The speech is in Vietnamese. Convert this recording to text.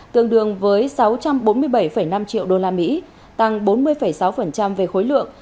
tương đương với sáu trăm bốn mươi bảy năm triệu usd tăng bốn mươi sáu về khối lượng